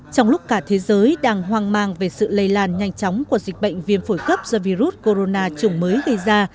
trong lúc cả thế giới đang hoang mang về sự lây lan nhanh chóng của dịch bệnh viêm phổi cấp do virus corona chủng mới gây ra